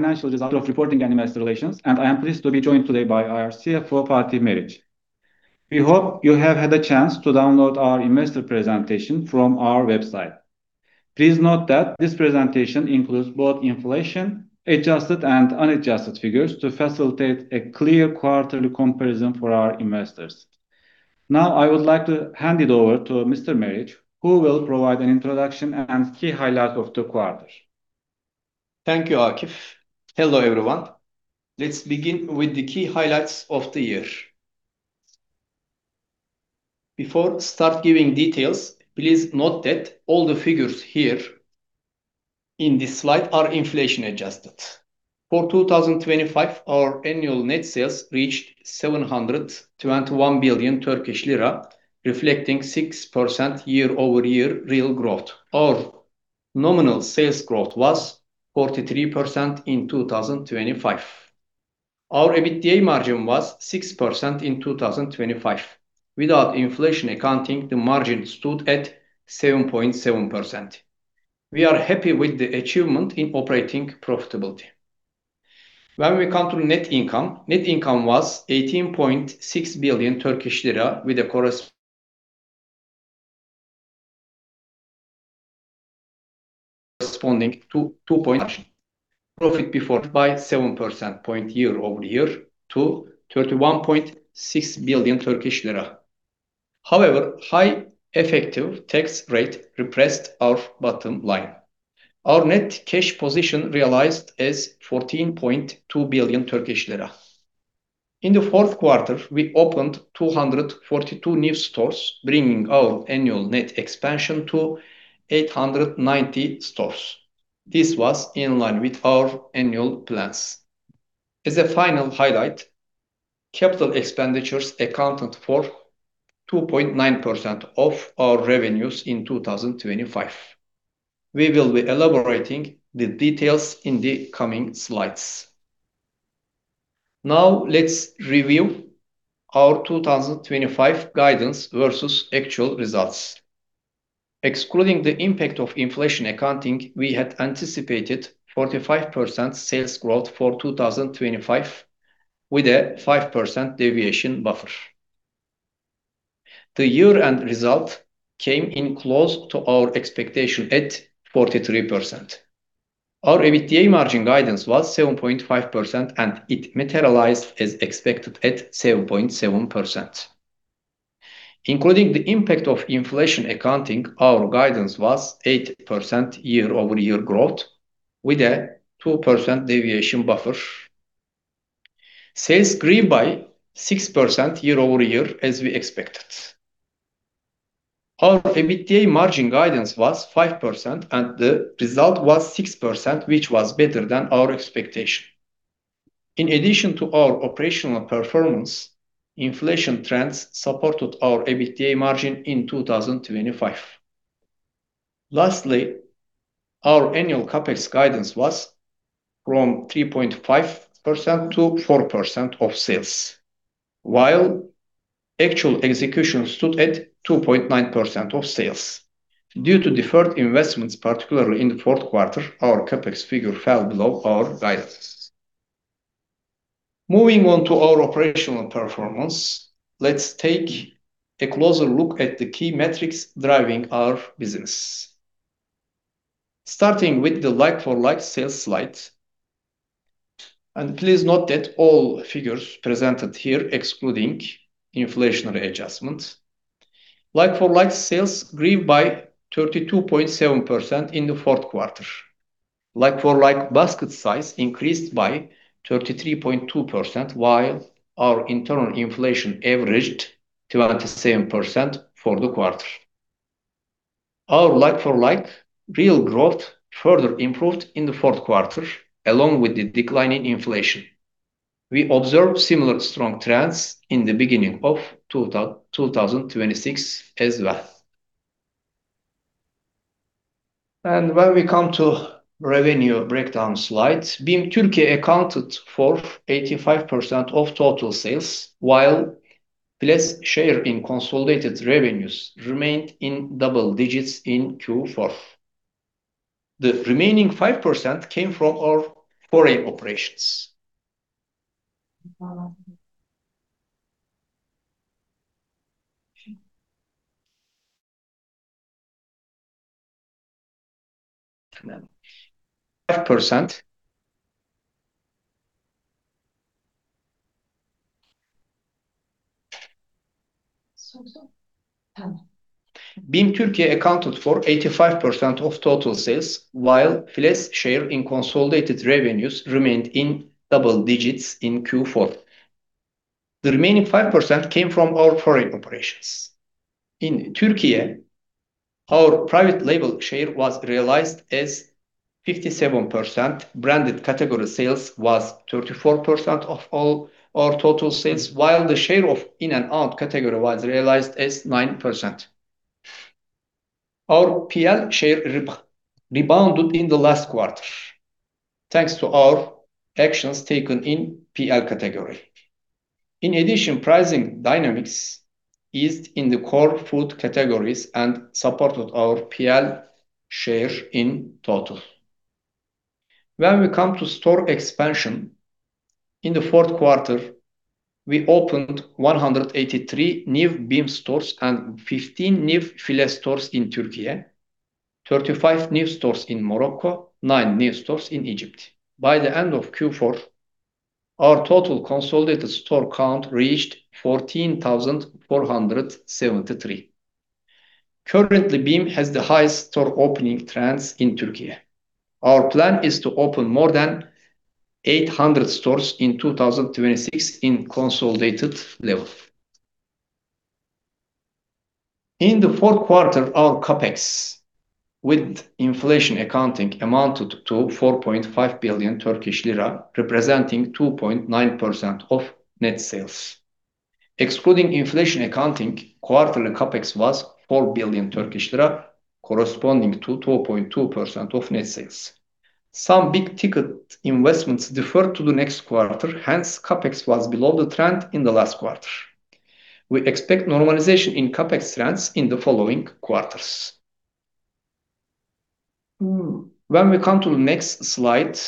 Akif Daşıran, Investor Relations and Sustainability Manager, and I'm pleased to be joined today by our CFO, Fatih Meriç. We hope you have had a chance to download our investor presentation from our website. Please note that this presentation includes both inflation adjusted and unadjusted figures to facilitate a clear quarterly comparison for our investors. Now, I would like to hand it over to Mr. Meriç, who will provide an introduction and key highlights of the quarter. Thank you, Akif. Hello, everyone. Let's begin with the key highlights of the year. Before start giving details, please note that all the figures here in this slide are inflation adjusted. For 2025, our annual net sales reached 721 billion TL, reflecting 6% year-over-year real growth. Our nominal sales growth was 43% in 2025. Our EBITDA margin was 6% in 2025. Without inflation accounting, the margin stood at 7.7%. We are happy with the achievement in operating profitability. When we come to net income, net income was 18.6 billion TL. Profit before tax increased by seven percentage points year-over-year to 31.6 billion TL. However, high effective tax rate depressed our bottom line. Our net cash position realized as 14.2 billion TL. In the fourth quarter, we opened 242 new stores, bringing our annual net expansion to 890 stores. This was in line with our annual plans. As a final highlight, capital expenditures accounted for 2.9% of our revenues in 2025. We will be elaborating the details in the coming slides. Now, let's review our 2025 guidance versus actual results. Excluding the impact of inflation accounting, we had anticipated 45% sales growth for 2025, with a 5% deviation buffer. The year-end result came in close to our expectation at 43%. Our EBITDA margin guidance was 7.5%, and it materialized as expected at 7.7%. Including the impact of inflation accounting, our guidance was 8% year-over-year growth with a 2% deviation buffer. Sales grew by 6% year-over-year as we expected. Our EBITDA margin guidance was 5%, and the result was 6%, which was better than our expectation. In addition to our operational performance, inflation trends supported our EBITDA margin in 2025. Lastly, our annual CapEx guidance was from 3.5% to 4% of sales, while actual execution stood at 2.9% of sales. Due to deferred investments, particularly in the fourth quarter, our CapEx figure fell below our guidance. Moving on to our operational performance, let's take a closer look at the key metrics driving our business. Starting with the like-for-like sales slide, please note that all figures presented here excluding inflationary adjustments. Like-for-like sales grew by 32.7% in the fourth quarter. Like-for-like basket size increased by 33.2%, while our internal inflation averaged 27% for the quarter. Our like-for-like real growth further improved in the fourth quarter, along with the decline in inflation. We observed similar strong trends in the beginning of 2026 as well. When we come to revenue breakdown slide, BIM Turkey accounted for 85% of total sales, while FİLE share in consolidated revenues remained in double digits in Q4. The remaining 5% came from our foreign operations. In Turkey, our private label share was realized as 57%. Branded category sales was 34% of all our total sales, while the share of in and out category was realized as 9%. Our PL share rebounded in the last quarter, thanks to our actions taken in PL category. In addition, pricing dynamics eased in the core food categories and supported our PL share in total. When we come to store expansion, in the fourth quarter, we opened 183 new BIM stores and 15 new FİLE stores in Turkey, 35 new stores in Morocco, 9 new stores in Egypt. By the end of Q4, our total consolidated store count reached 14,473. Currently, BIM has the highest store opening trends in Turkey. Our plan is to open more than 800 stores in 2026 in consolidated level. In the fourth quarter, our CapEx with inflation accounting amounted to 4.5 billion Turkish lira, representing 2.9% of net sales. Excluding inflation accounting, quarterly CapEx was 4 billion Turkish lira, corresponding to 2.2% of net sales. Some big-ticket investments deferred to the next quarter, hence CapEx was below the trend in the last quarter. We expect normalization in CapEx trends in the following quarters. When we come to the next slide,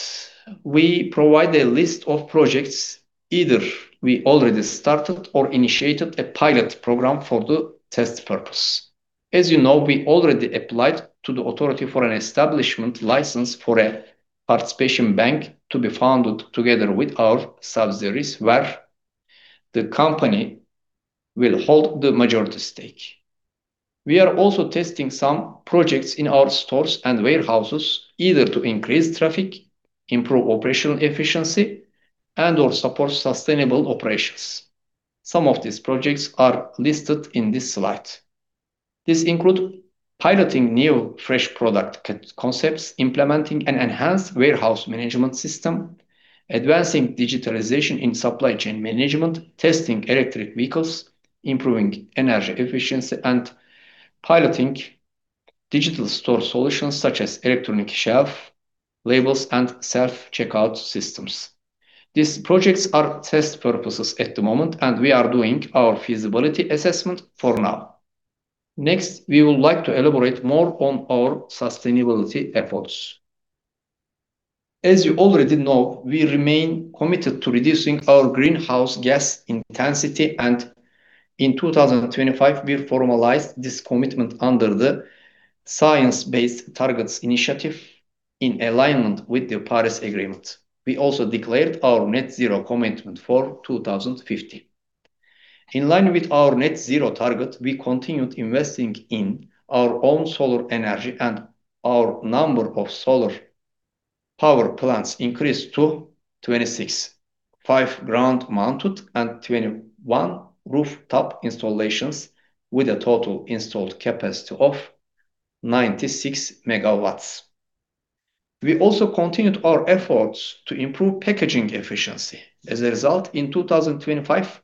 we provide a list of projects either we already started or initiated a pilot program for the test purpose. As you know, we already applied to the authority for an establishment license for a participation bank to be founded together with our subsidiaries, where the company will hold the majority stake. We are also testing some projects in our stores and warehouses, either to increase traffic, improve operational efficiency, and/or support sustainable operations. Some of these projects are listed in this slide. These include piloting new fresh product concepts, implementing an enhanced warehouse management system, advancing digitalization in supply chain management, testing electric vehicles, improving energy efficiency, and piloting digital store solutions such as electronic shelf labels and self-checkout systems. These projects are for test purposes at the moment, and we are doing our feasibility assessment for now. Next, we would like to elaborate more on our sustainability efforts. As you already know, we remain committed to reducing our greenhouse gas intensity, and in 2025, we formalized this commitment under the Science Based Targets initiative in alignment with the Paris Agreement. We also declared our net zero commitment for 2050. In line with our net zero target, we continued investing in our own solar energy, and our number of solar power plants increased to 26, 5 ground-mounted and 21 rooftop installations, with a total installed capacity of 96 MW. We also continued our efforts to improve packaging efficiency. As a result, in 2025,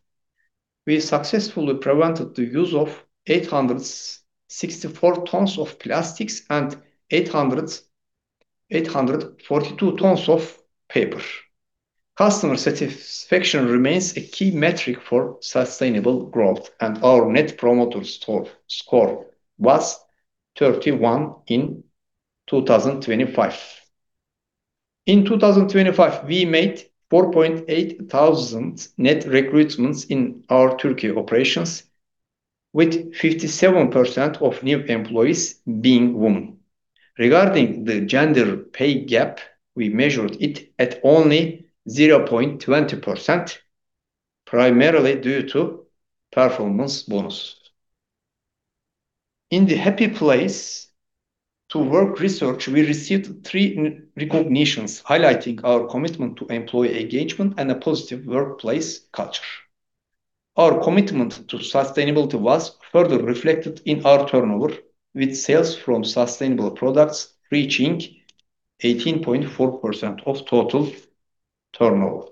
we successfully prevented the use of 864 tons of plastics and 842 tons of paper. Customer satisfaction remains a key metric for sustainable growth, and our Net Promoter Score was 31 in 2025. In 2025, we made 4,800 net recruitments in our Turkey operations, with 57% of new employees being women. Regarding the gender pay gap, we measured it at only 0.20%, primarily due to performance bonus. In the Great Place to Work research, we received three recognitions highlighting our commitment to employee engagement and a positive workplace culture. Our commitment to sustainability was further reflected in our turnover, with sales from sustainable products reaching 18.4% of total turnover.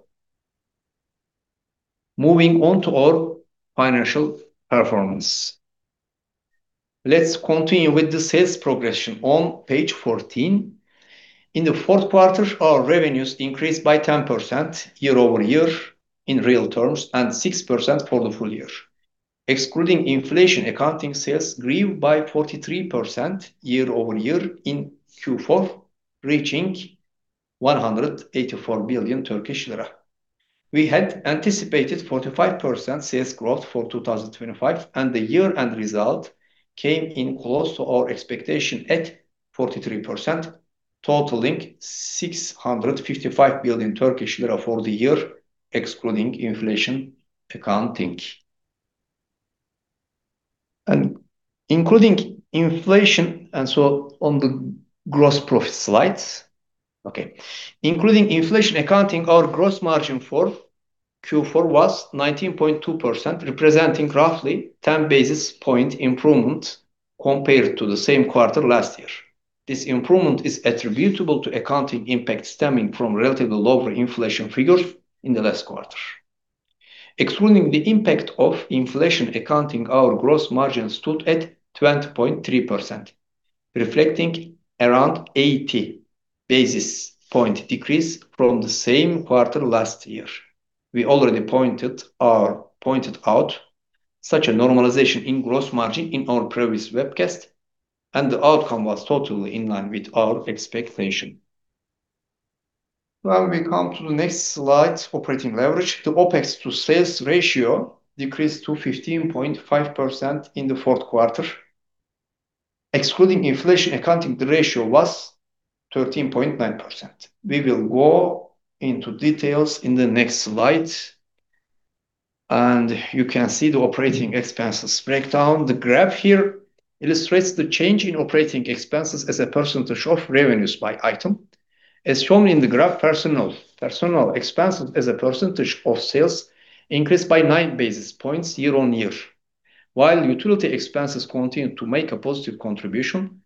Moving on to our financial performance. Let's continue with the sales progression on page 14. In the fourth quarter, our revenues increased by 10% year-over-year in real terms and 6% for the full year. Excluding inflation accounting, sales grew by 43% year-over-year in Q4, reaching 184 billion Turkish lira. We had anticipated 45% sales growth for 2025, and the year-end result came in close to our expectation at 43%, totaling 655 billion Turkish lira for the year, excluding inflation accounting. Including inflation, on the gross profit slides. Okay. Including inflation accounting, our gross margin for Q4 was 19.2%, representing roughly 10 basis points improvement compared to the same quarter last year. This improvement is attributable to accounting impact stemming from relatively lower inflation figures in the last quarter. Excluding the impact of inflation accounting, our gross margin stood at 20.3%. Reflecting around 80 basis points decrease from the same quarter last year. We already pointed out such a normalization in gross margin in our previous webcast, and the outcome was totally in line with our expectation. When we come to the next slide, operating leverage. The OpEx to sales ratio decreased to 15.5% in the fourth quarter. Excluding inflation accounting, the ratio was 13.9%. We will go into details in the next slide, and you can see the operating expenses breakdown. The graph here illustrates the change in operating expenses as a percentage of revenues by item. As shown in the graph, personal expenses as a percentage of sales increased by nine basis points year-over-year. While utility expenses continued to make a positive contribution,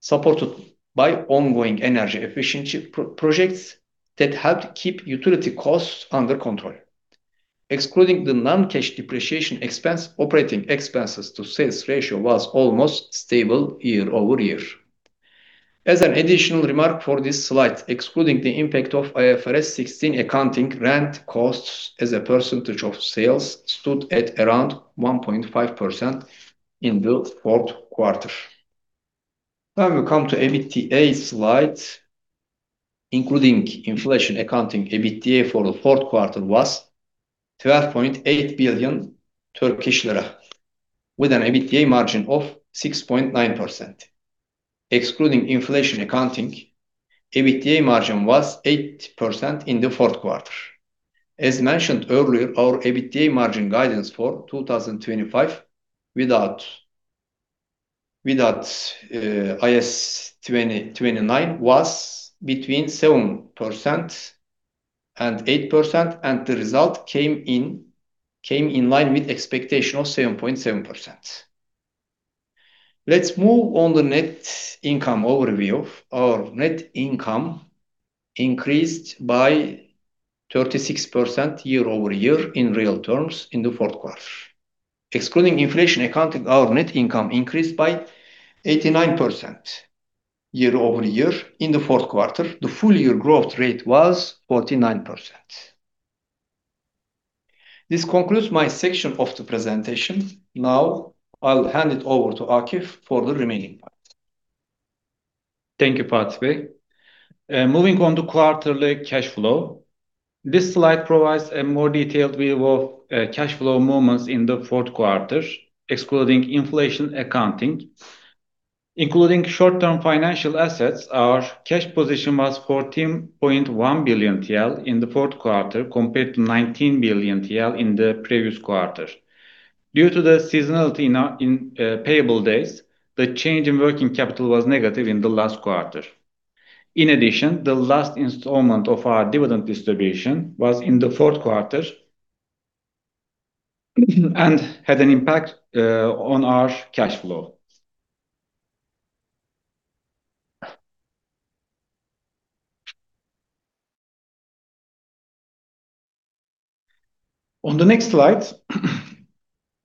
supported by ongoing energy efficiency projects that helped keep utility costs under control. Excluding the non-cash depreciation expense, operating expenses to sales ratio was almost stable year-over-year. As an additional remark for this slide, excluding the impact of IFRS 16 accounting, rent costs as a percentage of sales stood at around 1.5% in the fourth quarter. When we come to EBITDA slide, including inflation accounting, EBITDA for the fourth quarter was 12.8 billion Turkish lira, with an EBITDA margin of 6.9%. Excluding inflation accounting, EBITDA margin was 8% in the fourth quarter. As mentioned earlier, our EBITDA margin guidance for 2025 without IAS 29 was between 7% and 8%, and the result came in line with expectation of 7.7%. Let's move to the net income overview. Our net income increased by 36% year-over-year in real terms in the fourth quarter. Excluding inflation accounting, our net income increased by 89% year-over-year in the fourth quarter. The full year growth rate was 49%. This concludes my section of the presentation. Now I'll hand it over to Akif for the remaining part. Thank you, Fatih. Moving on to quarterly cash flow. This slide provides a more detailed view of cash flow movements in the fourth quarter, excluding inflation accounting. Including short-term financial assets, our cash position was 14.1 billion TL in the fourth quarter, compared to 19 billion TL in the previous quarter. Due to the seasonality in our payable days, the change in working capital was negative in the last quarter. In addition, the last installment of our dividend distribution was in the fourth quarter, and had an impact on our cash flow. On the next slide,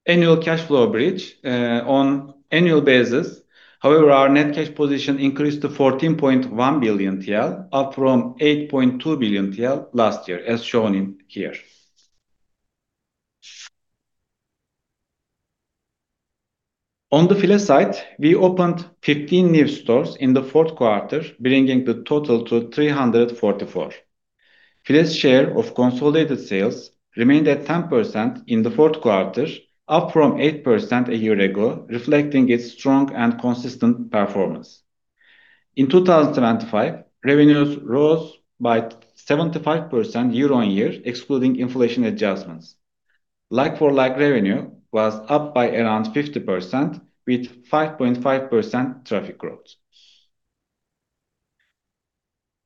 annual cash flow bridge on annual basis. However, our net cash position increased to 14.1 billion TL, up from 8.2 billion TL last year, as shown here. On the FİLE side, we opened 15 new stores in the fourth quarter, bringing the total to 344. FİLE share of consolidated sales remained at 10% in the fourth quarter, up from 8% a year ago, reflecting its strong and consistent performance. In 2025, revenues rose by 75% year-on-year, excluding inflation adjustments. Like-for-like revenue was up by around 50%, with 5.5% traffic growth.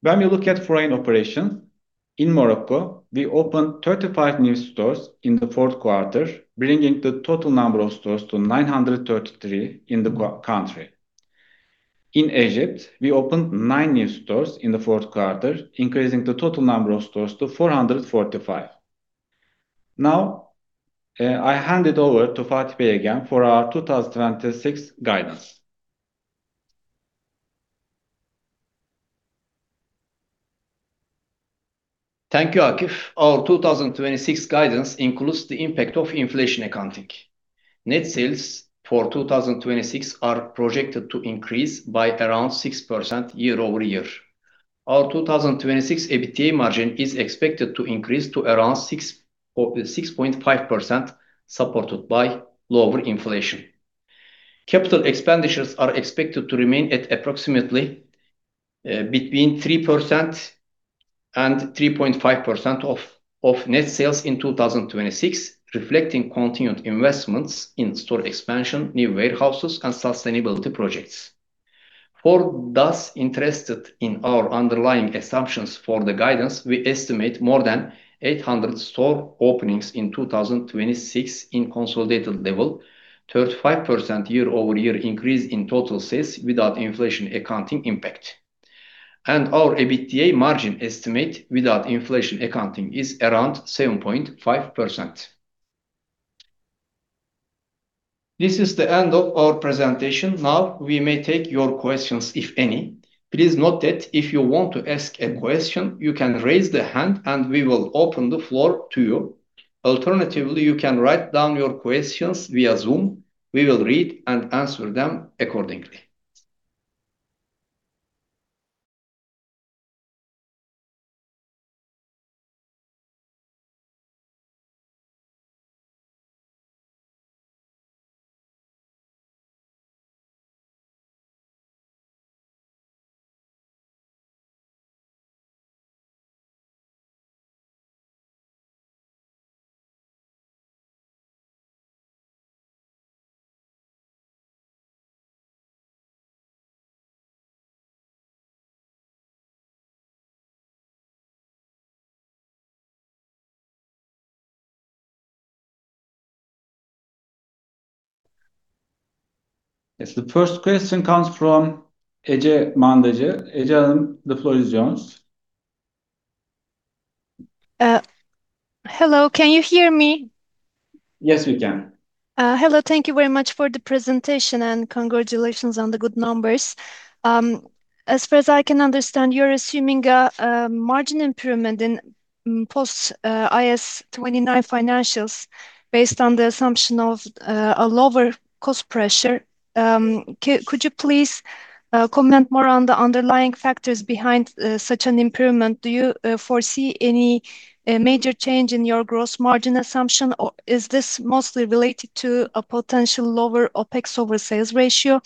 When we look at foreign operations, in Morocco, we opened 35 new stores in the fourth quarter, bringing the total number of stores to 933 in the country. In Egypt, we opened nine new stores in the fourth quarter, increasing the total number of stores to 445. Now, I hand it over to Fatih Bey again for our 2026 guidance. Thank you, Akif. Our 2026 guidance includes the impact of inflation accounting. Net sales for 2026 are projected to increase by around 6% year-over-year. Our 2026 EBITDA margin is expected to increase to around 6% or 6.5%, supported by lower inflation. Capital expenditures are expected to remain at approximately between 3% and 3.5% of net sales in 2026, reflecting continued investments in store expansion, new warehouses, and sustainability projects. For those interested in our underlying assumptions for the guidance, we estimate more than 800 store openings in 2026 at consolidated level, 35% year-over-year increase in total sales without inflation accounting impact. Our EBITDA margin estimate without inflation accounting is around 7.5%. This is the end of our presentation. Now we may take your questions, if any. Please note that if you want to ask a question, you can raise the hand, and we will open the floor to you. Alternatively, you can write down your questions via Zoom. We will read and answer them accordingly. Yes. The first question comes from Ece Mandacı. Ece, the floor is yours. Hello. Can you hear me? Yes, we can. Hello. Thank you very much for the presentation, and congratulations on the good numbers. As far as I can understand, you're assuming a margin improvement in post IAS 29 financials based on the assumption of a lower cost pressure. Could you please comment more on the underlying factors behind such an improvement? Do you foresee any major change in your gross margin assumption, or is this mostly related to a potential lower OpEx over sales ratio?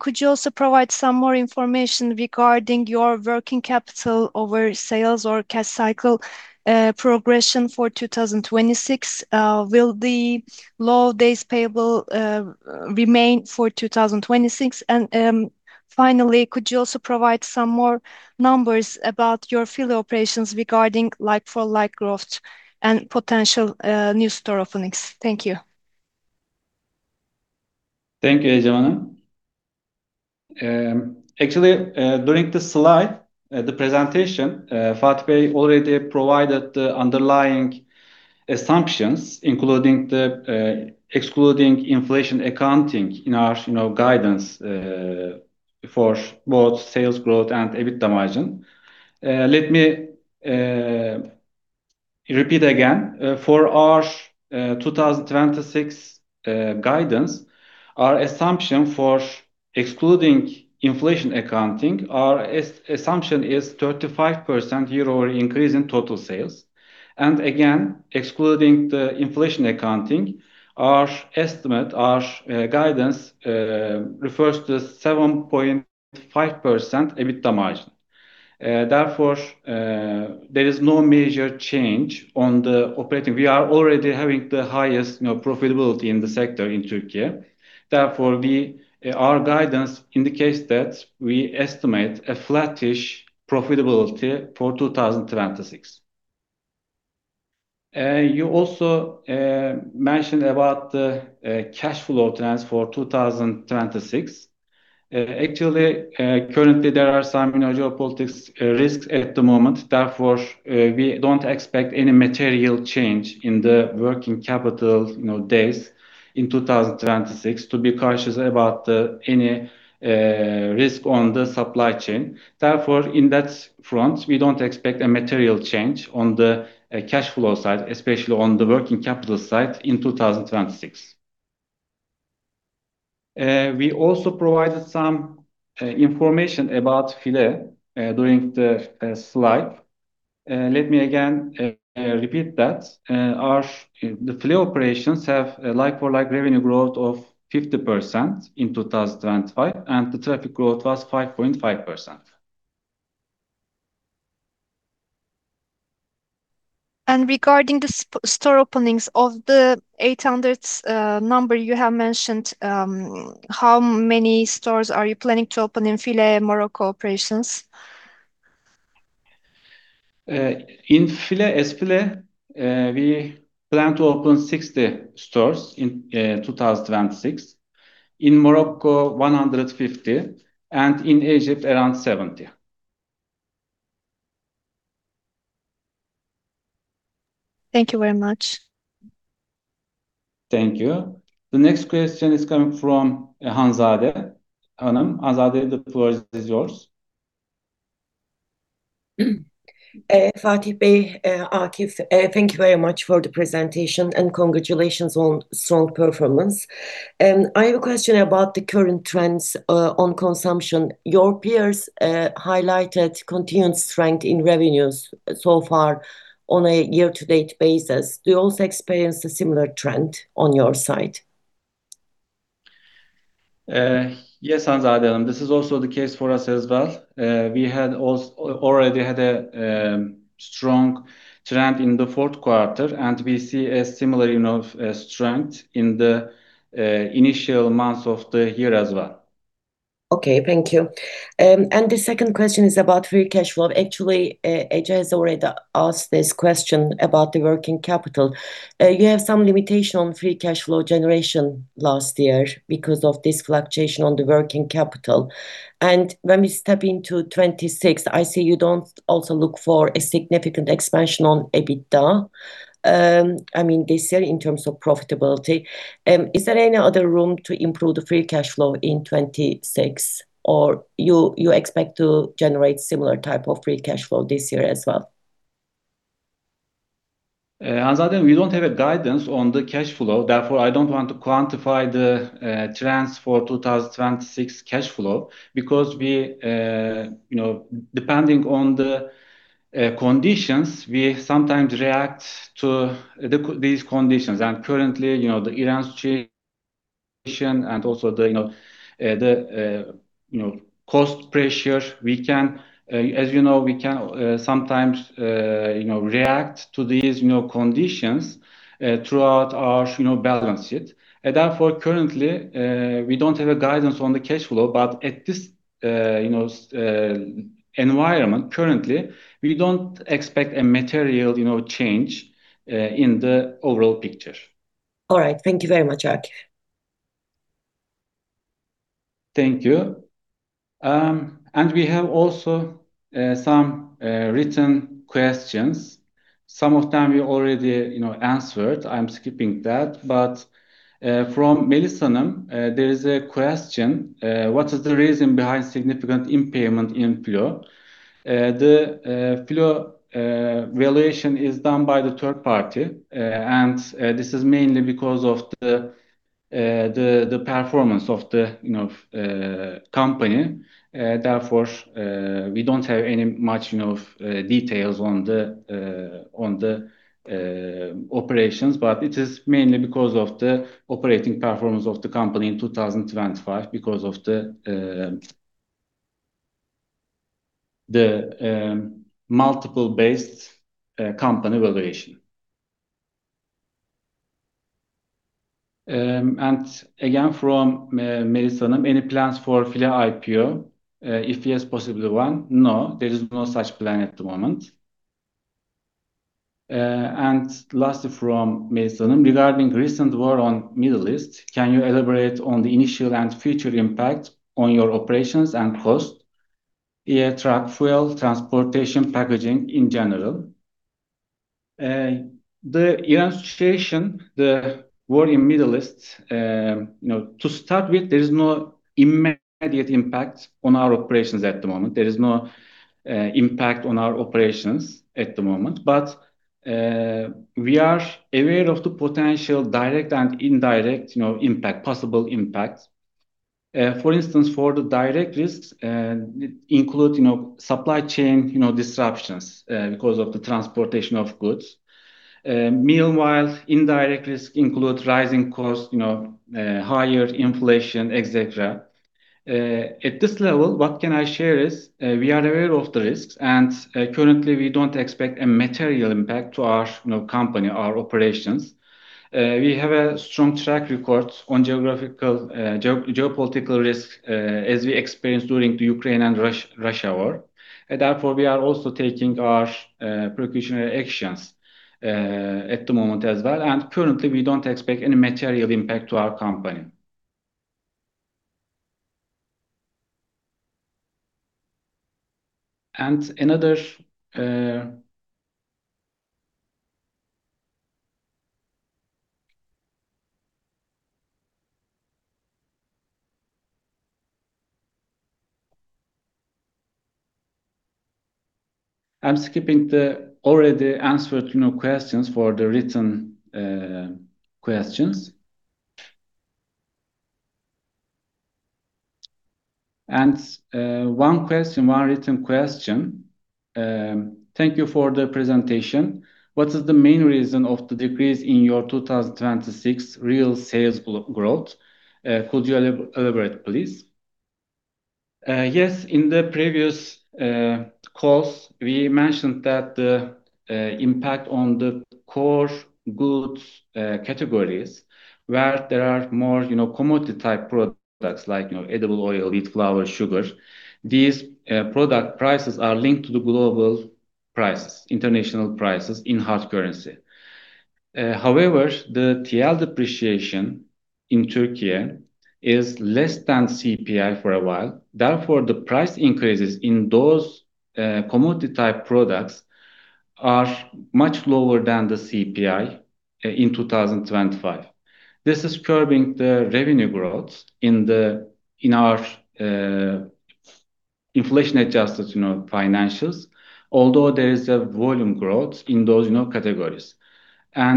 Could you also provide some more information regarding your working capital over sales or cash cycle progression for 2026? Will the low days payable remain for 2026? Finally, could you also provide some more numbers about your FİLE operations regarding like-for-like growth and potential new store openings? Thank you. Thank you, Ece. Actually, during the slide, the presentation, Fatih Bey already provided the underlying assumptions, including the excluding inflation accounting in our, you know, guidance, for both sales growth and EBITDA margin. Let me repeat again. For our 2026 guidance, our assumption for excluding inflation accounting, our assumption is 35% year-over-year increase in total sales. Again, excluding the inflation accounting, our estimate, our guidance refers to 7.5% EBITDA margin. Therefore, there is no major change on the operating. We are already having the highest, you know, profitability in the sector in Turkey. Therefore, our guidance indicates that we estimate a flattish profitability for 2026. You also mentioned about the cash flow trends for 2026. Actually, currently there are some, you know, geopolitical risks at the moment, therefore, we don't expect any material change in the working capital, you know, days in 2026 to be cautious about any risk on the supply chain. Therefore, in that front, we don't expect a material change on the cash flow side, especially on the working capital side in 2026. We also provided some information about FİLE during the slide. Let me again repeat that. Our FİLE operations have a like-for-like revenue growth of 50% in 2025, and the traffic growth was 5.5%. Regarding the store openings, of the 800 number you have mentioned, how many stores are you planning to open in FİLE Morocco operations? In FİLE and S-FİLE, we plan to open 60 stores in 2026. In Morocco, 150, and in Egypt, around 70. Thank you very much. Thank you. The next question is coming from Hanzade. Hanzade, the floor is yours. Fatih Bey, Akif, thank you very much for the presentation, and congratulations on strong performance. I have a question about the current trends on consumption. Your peers highlighted continued strength in revenues so far on a year to date basis. Do you also experience a similar trend on your side? Yes, Hanzade. This is also the case for us as well. We had already had a strong trend in the fourth quarter, and we see a similar, you know, strength in the initial months of the year as well. Okay. Thank you. The second question is about free cash flow. Actually, Ece has already asked this question about the working capital. You have some limitation on free cash flow generation last year because of this fluctuation on the working capital. When we step into 2026, I see you don't also look for a significant expansion on EBITDA. I mean, this year in terms of profitability. Is there any other room to improve the free cash flow in 2026, or you expect to generate similar type of free cash flow this year as well? Hanzade Kılıçkıran, we don't have a guidance on the cash flow, therefore, I don't want to quantify the trends for 2026 cash flow because we, you know, depending on the conditions, we sometimes react to these conditions. Currently, you know, the Iran situation and also the, you know, the cost pressure, we can, as you know, sometimes, you know, react to these, you know, conditions, throughout our, you know, balance sheet. Therefore, currently, we don't have a guidance on the cash flow, but at this, you know, environment currently, we don't expect a material, you know, change in the overall picture. All right. Thank you very much, Akif Daşıran. Thank you. We have also some written questions. Some of them we already, you know, answered. I'm skipping that. From Melis Pocar, there is a question, what is the reason behind significant impairment in FİLE? The FİLE valuation is done by the third party. This is mainly because of the performance of the, you know, company. Therefore, we don't have any much, you know, details on the operations, but it is mainly because of the operating performance of the company in 2025 because of the multiple-based company valuation. Again, from Melis Pocar, any plans for FİLE IPO? If yes, possibly when? No, there is no such plan at the moment. Lastly from Melis Pocar, regarding recent war on Middle East, can you elaborate on the initial and future impact on your operations and cost, air, truck, fuel, transportation, packaging in general? The Iran situation, the war in Middle East, you know, to start with, there is no immediate impact on our operations at the moment. There is no impact on our operations at the moment. We are aware of the potential direct and indirect, you know, impact, possible impact. For instance, for the direct risks include, you know, supply chain, you know, disruptions because of the transportation of goods. Meanwhile, indirect risk include rising cost, you know, higher inflation, et cetera. At this level, what can I share is, we are aware of the risks, and, currently we don't expect a material impact to our, you know, company, our operations. We have a strong track record on geographical, geopolitical risk, as we experienced during the Ukraine and Russia war. Therefore, we are also taking our precautionary actions at the moment as well. Currently we don't expect any material impact to our company. Another, I'm skipping the already answered, you know, questions for the written questions. One question, one written question. Thank you for the presentation. What is the main reason of the decrease in your 2026 real sales growth? Could you elaborate, please? Yes, in the previous calls, we mentioned that the impact on the core goods categories where there are more, you know, commodity type products like, you know, edible oil, wheat, flour, sugar. These product prices are linked to the global prices, international prices in hard currency. However, the TL depreciation in Türkiye is less than CPI for a while. Therefore, the price increases in those commodity type products are much lower than the CPI in 2025. This is curbing the revenue growth in our inflation-adjusted, you know, financials, although there is a volume growth in those, you know, categories.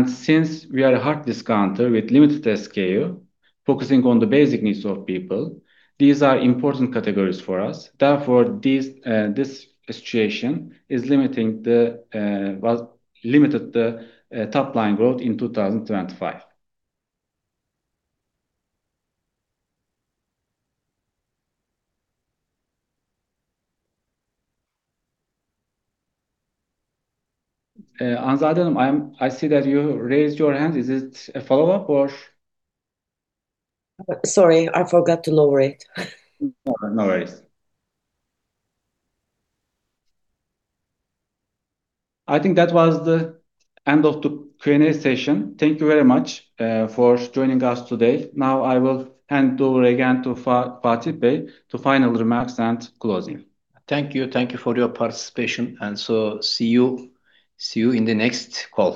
Since we are a hard discounter with limited SKU, focusing on the basic needs of people, these are important categories for us. Therefore, this situation limited the top line growth in 2025. Hanzade, I see that you raised your hand. Is it a follow-up or? Sorry, I forgot to lower it. No, no worries. I think that was the end of the Q&A session. Thank you very much for joining us today. Now I will hand over again to Fatih Bey to final remarks and closing. Thank you. Thank you for your participation. See you in the next call.